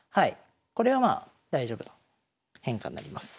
これはまあ大丈夫な変化になります。